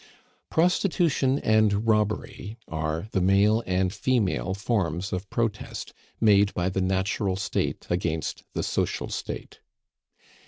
Prostitution and robbery are the male and female forms of protest made by the natural state against the social state.